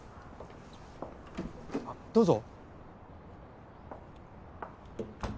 ・あどうぞ。